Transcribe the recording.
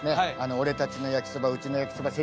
「俺たちの焼きそば」「うちの焼きそば」